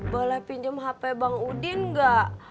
boleh pinjem hp bang udin gak